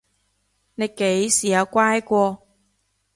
你幾時有乖過？